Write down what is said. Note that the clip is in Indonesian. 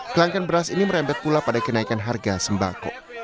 kelangkan beras ini merembet pula pada kenaikan harga sembako